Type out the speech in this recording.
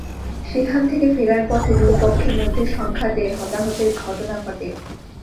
সেখান থেকে ফেরার পথে দুই পক্ষের মধ্যে সংঘাতে হতাহতের ঘটনা ঘটে।